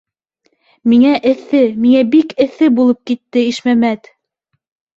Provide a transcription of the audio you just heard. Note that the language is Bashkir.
Миңә эҫе, миңә бик эҫе булып китте, Ишмәмәт!